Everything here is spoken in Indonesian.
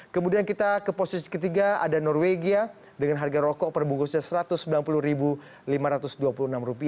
kemudian kita ke posisi ketiga ada norwegia dengan harga rokok perbungkusnya rp satu ratus sembilan puluh lima ratus dua puluh enam